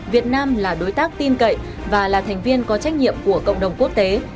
việt nam là đối tác tin cậy và là thành viên có trách nhiệm của cộng đồng quốc tế